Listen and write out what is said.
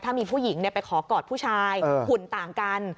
ถ้ามีผู้หญิงไปขอกอดผู้ชายหุ่นต่างกัน